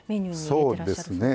そうですね